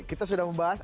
kita sudah membahas